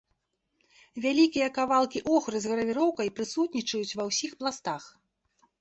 Вялікія кавалкі охры з гравіроўкай прысутнічаюць ва ўсіх пластах.